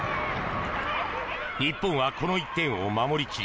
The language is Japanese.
日本はこの１点を守り切り